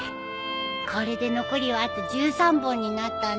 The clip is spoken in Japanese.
これで残りはあと１３本になったね。